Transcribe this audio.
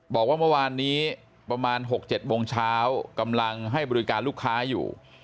บอกว่าเมื่อวานนี้ประมาณ๖๗โมงเช้ากำลังให้บริการลูกค้าอยู่